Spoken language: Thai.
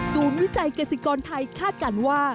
ศูนย์วิจัยเกษตริกรไทยคาดกันว่า